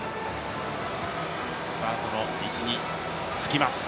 スタートの位置に着きます。